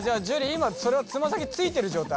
今それつま先ついてる状態？